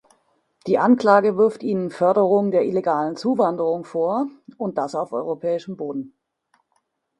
Die Anklage wirft ihnen Förderung der illegalen Zuwanderung vor und das auf europäischem Boden.